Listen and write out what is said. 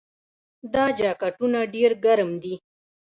دا جاکټونه ډیر ګرم دي.